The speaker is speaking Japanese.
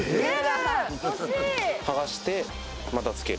はがして、またつける。